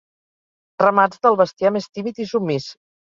Ramats del bestiar més tímid i submís.